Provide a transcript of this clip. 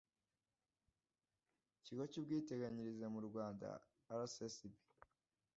kigo cy ubwiteganyirize mu rwanda rssb